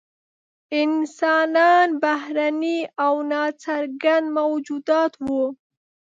انسانان بهرني او نا څرګند موجودات وو.